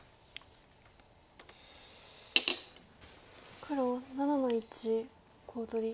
黒７の一コウ取り。